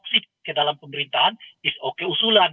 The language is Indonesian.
orang orang yang punya foksi ke dalam pemerintahan it s okay usulan